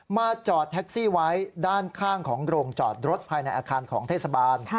จอดแท็กซี่ไว้ด้านข้างของโรงจอดรถภายในอาคารของเทศบาล